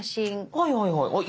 はいはいはいはい。